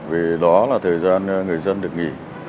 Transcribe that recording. vì đó là thời gian người dân được nghỉ